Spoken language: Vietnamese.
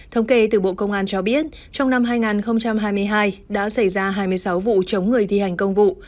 thống kê từ bộ công an cho biết trong năm hai nghìn hai mươi hai đã xảy ra hai mươi sáu vụ chống người thi hành công vụ